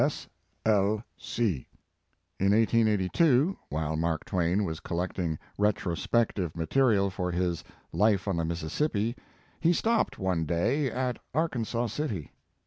"S. I,. C." In 1882, while Mark Twain was col lecting retrospective material for his "L/ife on the Mississippi," he stopped, one day, at Arkansaw City.